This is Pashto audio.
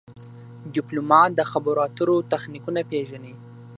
ډيپلومات د خبرو اترو تخنیکونه پېژني.